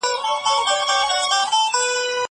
زه بايد شګه پاک کړم!!